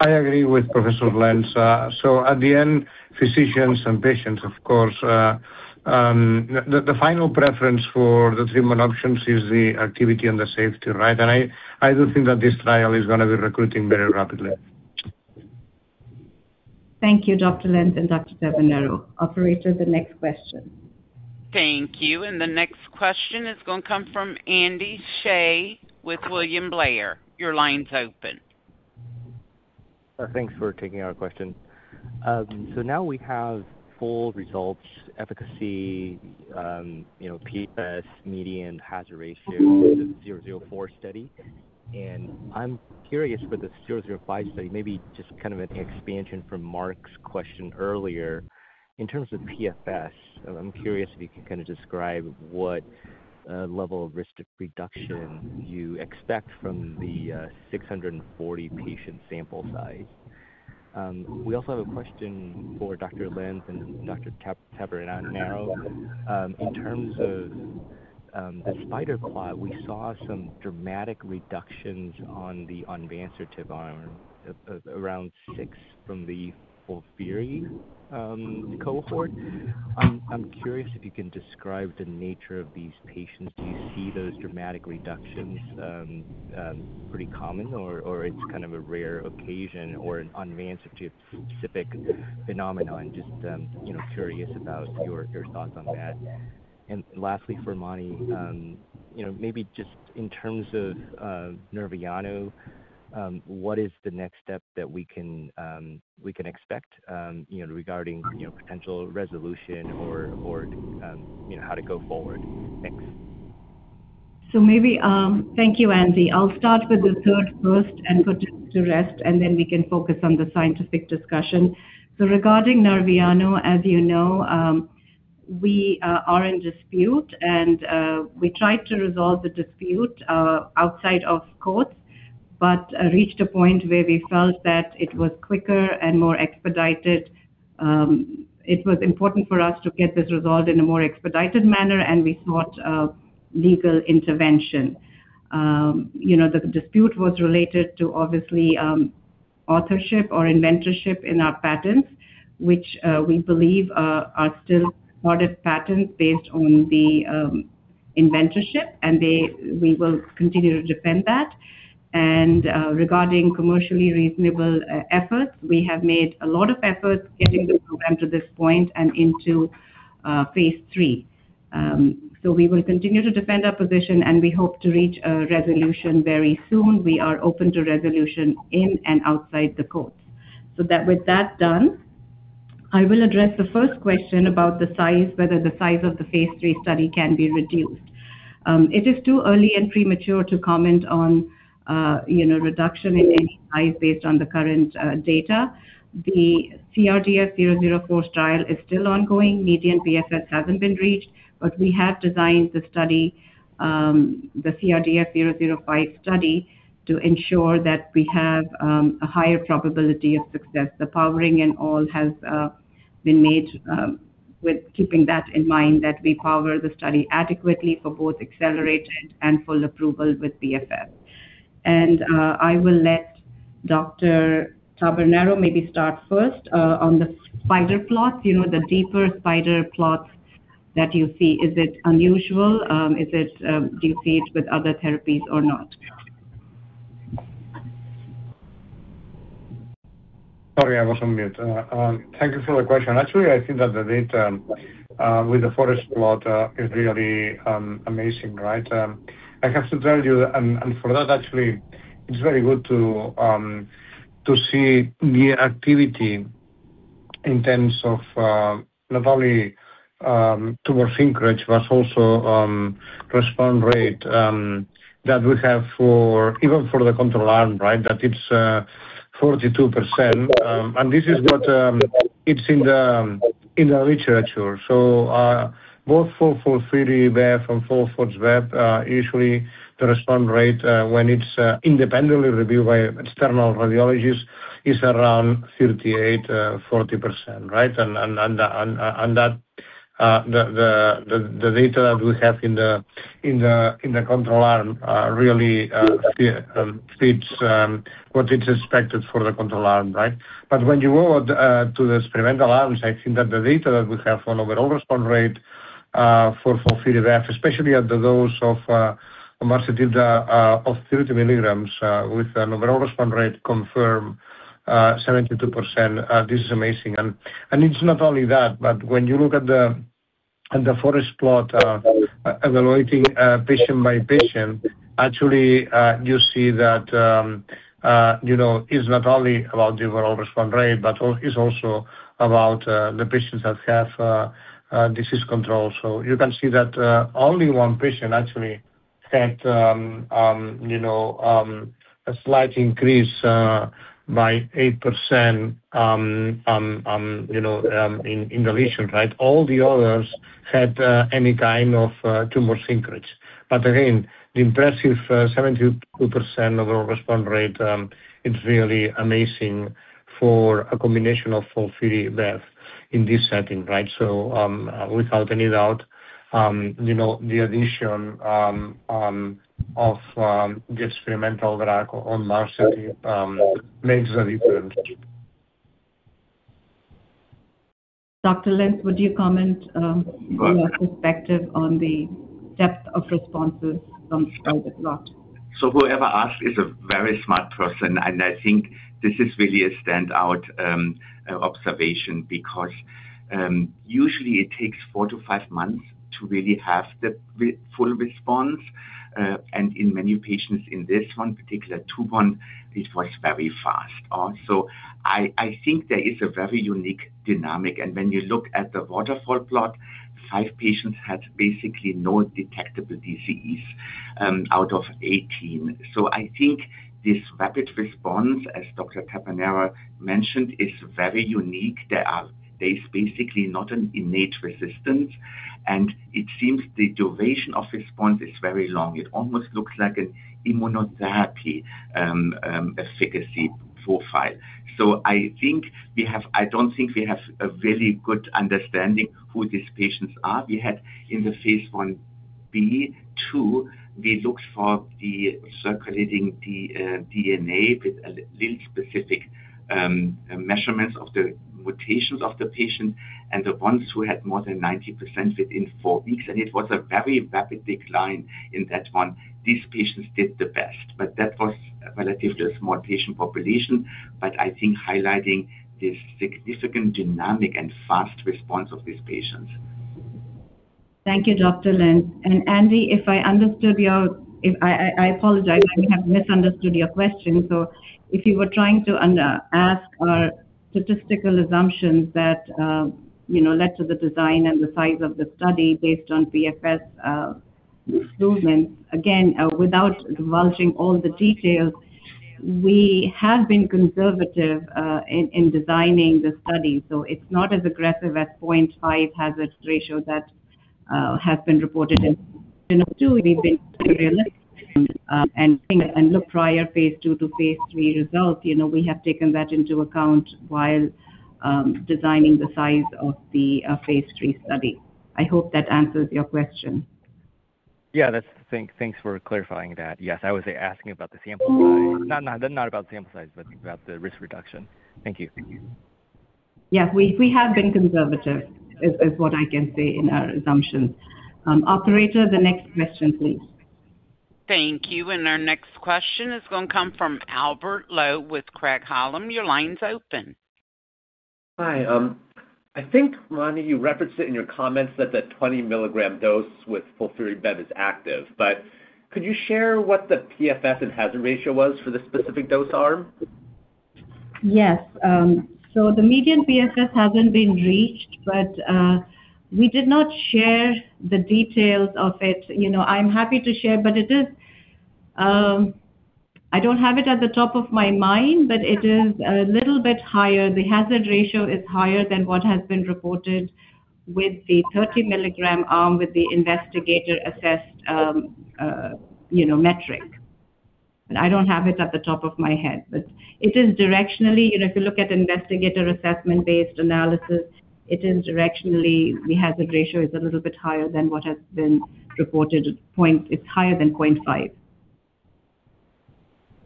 I agree with Professor Lenz. At the end, physicians and patients, of course, the final preference for the treatment options is the activity and the safety. I do think that this trial is going to be recruiting very rapidly. Thank you, Dr. Lenz and Dr. Tabernero. Operator, the next question. Thank you. The next question is going to come from Andy Hsieh with William Blair. Your line's open. Thanks for taking our question. Now we have full results, efficacy, PFS, median hazard ratio, the 004 study. I'm curious for the 005 study, maybe just kind of an expansion from Marc's question earlier. In terms of PFS, I'm curious if you can describe what level of risk reduction you expect from the 640-patient sample size. We also have a question for Dr. Lenz and Dr. Tabernero. In terms of the spider plot, we saw some dramatic reductions on the onvansertib arm, around six from the FOLFIRI cohort. I'm curious if you can describe the nature of these patients. Do you see those dramatic reductions pretty common, or it's kind of a rare occasion or an onvansertib-specific phenomenon? Curious about your thoughts on that. Lastly, for Mani, maybe just in terms of Nerviano, what is the next step that we can expect regarding potential resolution or how to go forward? Thanks. Thank you, Andy. I'll start with the third first and put it to rest. We can focus on the scientific discussion. Regarding Nerviano, as you know, we are in dispute, and we tried to resolve the dispute outside of courts, but reached a point where we felt that it was quicker and more expedited. It was important for us to get this resolved in a more expedited manner, and we sought legal intervention. The dispute was related to, obviously, authorship or inventorship in our patents, which we believe are still awarded patents based on the inventorship, and we will continue to defend that. Regarding commercially reasonable efforts, we have made a lot of efforts getting the program to this point and into phase III. We will continue to defend our position, and we hope to reach a resolution very soon. We are open to resolution in and outside the courts. With that done, I will address the first question about the size, whether the size of the phase III study can be reduced. It is too early and premature to comment on reduction in any size based on the current data. The CRDF-004 trial is still ongoing. Median PFS hasn't been reached, but we have designed the study, the CRDF-005 study, to ensure that we have a higher probability of success. The powering and all has been made with keeping that in mind, that we power the study adequately for both accelerated and full approval with PFS. I will let Dr. Tabernero maybe start first on the spider plot. The deeper spider plots that you see, is it unusual? Do you see it with other therapies or not? Sorry, I was on mute. Thank you for the question. Actually, I think that the data with the forest plot is really amazing, right? I have to tell you, for that actually, it's very good to see the activity in terms of not only tumor shrinkage, but also response rate that we have even for the control arm, right? That it's 42%. This is what is in the literature. Both for FOLFIRI-BEV and for FOLFOX-BEV, usually the response rate, when it's independently reviewed by external radiologists, is around 38%-40%, right? The data that we have in the control arm really fits what it's expected for the control arm, right? When you go to the experimental arms, I think that the data that we have on overall response rate for FOLFIRI-BEV, especially at the dose of onvansertib of 30 mg with an overall response rate confirmed 72%, this is amazing. It's not only that, when you look at the forest plot evaluating patient by patient, actually you see that it's not only about the overall response rate, but it's also about the patients that have disease control. You can see that only one patient actually had a slight increase by 8% in the lesion, right? All the others had any kind of tumor shrinkage. Again, the impressive 72% overall response rate, it's really amazing for a combination of FOLFIRI-BEV in this setting, right? Without any doubt, the addition of the experimental drug, onvansertib, makes a difference. Dr. Lenz, would you comment? Sure from your perspective on the depth of responses from forest plot? Whoever asked is a very smart person, and I think this is really a standout observation because usually it takes four to five months to really have the full response. In many patients in this one particular tumor one, it was very fast. I think there is a very unique dynamic, and when you look at the waterfall plot, five patients had basically no detectable disease out of 18. I think this rapid response, as Dr. Tabernero mentioned, is very unique. There is basically not an innate resistance, and it seems the duration of response is very long. It almost looks like an immunotherapy efficacy profile. I don't think we have a very good understanding who these patients are. We had in the phase I-B, II, we looked for the circulating DNA with allele-specific measurements of the mutations of the patient and the ones who had more than 90% within four weeks, and it was a very rapid decline in that one. These patients did the best, but that was relative to a small patient population. I think highlighting this significant dynamic and fast response of these patients. Thank you, Dr. Lenz. Andy, I apologize if I have misunderstood your question. If you were trying to ask our statistical assumptions that led to the design and the size of the study based on PFS movements, again, without divulging all the details, we have been conservative in designing the study. It's not as aggressive as 0.5 hazard ratio that has been reported in phase II. We've been realistic and looked prior phase II to phase III results. We have taken that into account while designing the size of the phase III study. I hope that answers your question. Yeah. Thanks for clarifying that. Yes, I was asking about the sample size. Not about sample size, but about the risk reduction. Thank you. Yes. We have been conservative, is what I can say in our assumptions. Operator, the next question, please. Thank you. Our next question is going to come from Albert Lowe with Craig-Hallum. Your line's open. Hi. I think, Mani, you referenced it in your comments that the 20 mg dose with FOLFIRI-BEV is active. Could you share what the PFS and hazard ratio was for the specific dose arm? Yes. The median PFS hasn't been reached, but we did not share the details of it. I'm happy to share, but I don't have it at the top of my mind, but it is a little bit higher. The hazard ratio is higher than what has been reported with the 30 mg arm with the investigator-assessed metric. I don't have it at the top of my head, but it is directionally, if you look at investigator assessment-based analysis, it is directionally, the hazard ratio is a little bit higher than what has been reported. It's higher than 0.5.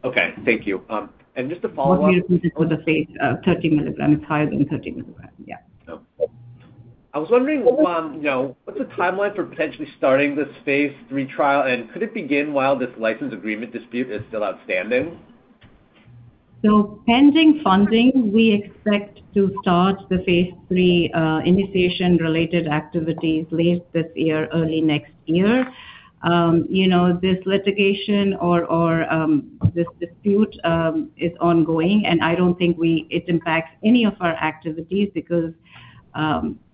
Okay. Thank you. What we have reported for the phase II, 30 mg. It's higher than 30 mg. Yeah. Okay. I was wondering what the timeline for potentially starting this phase III trial is. Could it begin while this license agreement dispute is still outstanding? Pending funding, we expect to start the phase III initiation-related activities late this year or early next year. This litigation or this dispute is ongoing, and I don't think it impacts any of our activities because,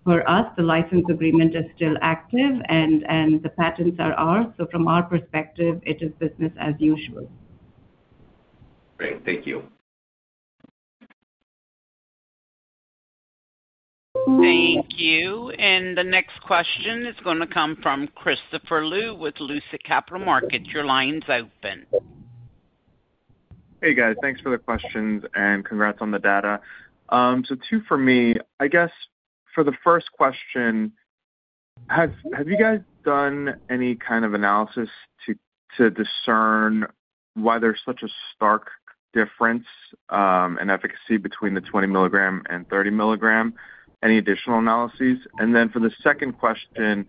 for us, the license agreement is still active and the patents are ours. From our perspective, it is business as usual. Great. Thank you. Thank you. The next question is going to come from Christopher Lui with Lucid Capital Markets. Your line's open. Hey, guys. Thanks for the questions and congrats on the data. Two from me. I guess for the first question, have you guys done any kind of analysis to discern why there's such a stark difference in efficacy between the 20 mg and 30 mg? Any additional analyses? For the second question,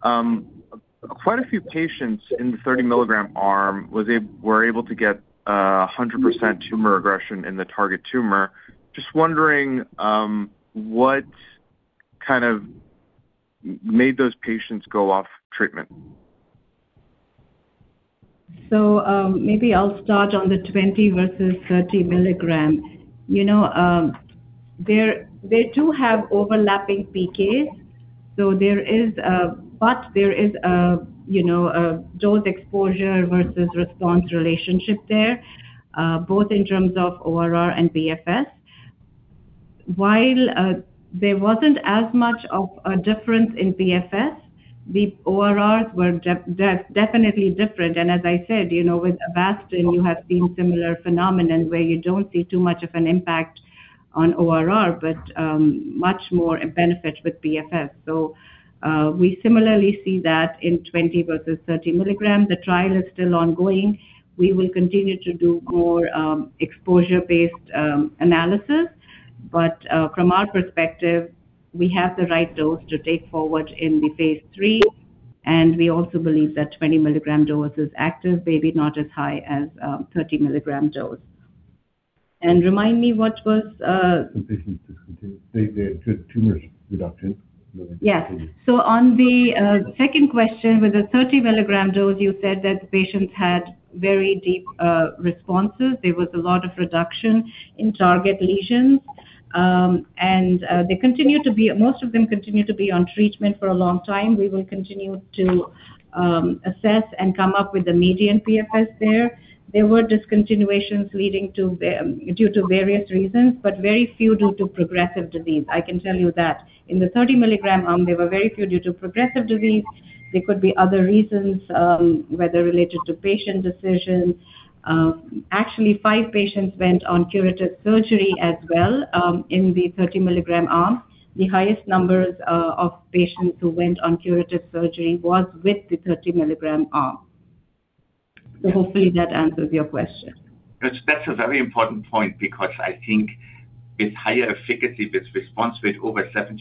quite a few patients in the 30 mg arm were able to get 100% tumor regression in the target tumor. Just wondering what made those patients go off treatment. Maybe I'll start on the 20 mg versus 30 mg. They do have overlapping PKs. There is a dose exposure versus response relationship there, both in terms of ORR and PFS. While there wasn't as much of a difference in PFS, the ORRs were definitely different. As I said, with Avastin, you have seen similar phenomenon where you don't see too much of an impact on ORR, but much more benefit with PFS. We similarly see that in 20 mg versus 30 mg. The trial is still ongoing. We will continue to do more exposure-based analysis. From our perspective, we have the right dose to take forward in the phase III, and we also believe that 20 mg dose is active, maybe not as high as 30 mg dose. Remind me what was The patients discontinued. The tumor reduction. Yeah. On the second question, with a 30 mg dose, you said that patients had very deep responses. There was a lot of reduction in target lesions. Most of them continued to be on treatment for a long time. We will continue to assess and come up with the median PFS there. There were discontinuations due to various reasons, but very few due to progressive disease. I can tell you that in the 30 mg arm, there were very few due to progressive disease. There could be other reasons, whether related to patient decisions. Actually, five patients went on curative surgery as well in the 30 mg arm. The highest numbers of patients who went on curative surgery was with the 30 mg arm. Hopefully that answers your question. That's a very important point because I think with higher efficacy, with response rate over 70%,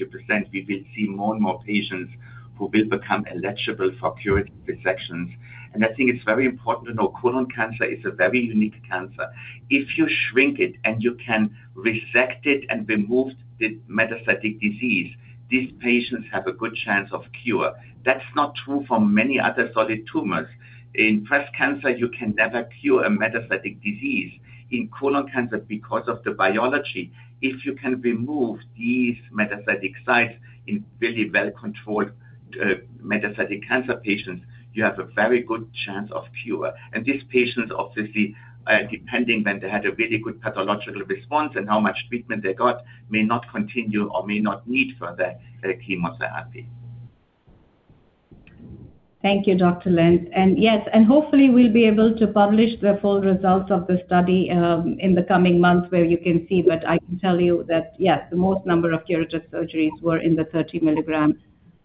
we will see more and more patients who will become eligible for curative resections. I think it's very important to know colon cancer is a very unique cancer. If you shrink it and you can resect it and remove the metastatic disease, these patients have a good chance of cure. That's not true for many other solid tumors. In breast cancer, you can never cure a metastatic disease. In colon cancer, because of the biology, if you can remove these metastatic sites in really well-controlled metastatic cancer patients, you have a very good chance of cure. These patients, obviously, depending when they had a really good pathological response and how much treatment they got, may not continue or may not need further chemotherapy. Thank you, Dr. Lenz. Yes, and hopefully we'll be able to publish the full results of the study in the coming months where you can see. I can tell you that, yes, the most number of curative surgeries were in the 30 mg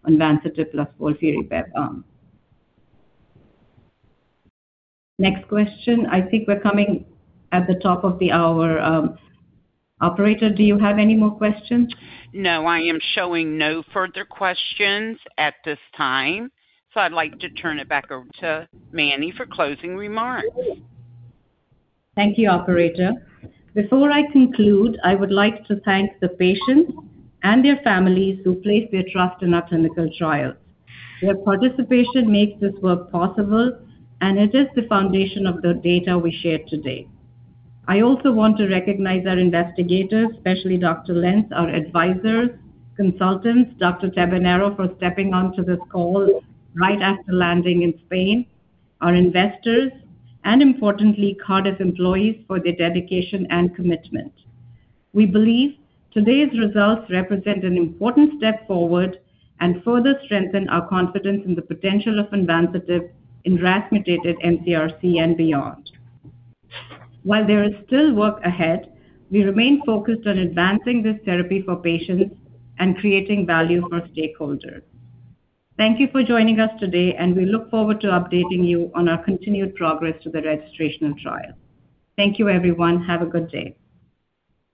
onvansertib plus FOLFIRI arm. Next question. I think we're coming at the top of the hour. Operator, do you have any more questions? I am showing no further questions at this time. I'd like to turn it back over to Mani for closing remarks. Thank you, operator. Before I conclude, I would like to thank the patients and their families who placed their trust in our clinical trials. Their participation makes this work possible, and it is the foundation of the data we shared today. I also want to recognize our investigators, especially Dr. Lenz, our advisors, consultants, Dr. Tabernero for stepping onto this call right after landing in Spain, our investors, and importantly, Cardiff employees for their dedication and commitment. We believe today's results represent an important step forward and further strengthen our confidence in the potential of onvansertib in RAS-mutated mCRC and beyond. While there is still work ahead, we remain focused on advancing this therapy for patients and creating value for stakeholders. Thank you for joining us today, and we look forward to updating you on our continued progress to the registration trial. Thank you, everyone. Have a good day.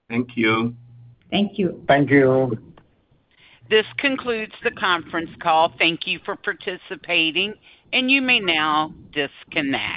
Thank you. Thank you. Thank you. This concludes the conference call. Thank you for participating, and you may now disconnect.